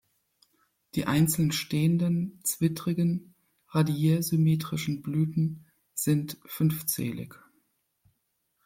Die einzeln stehenden, zwittrigen, radiärsymmetrischen Blüten sind fünfzählig.